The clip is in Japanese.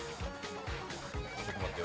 ちょっと待ってよ。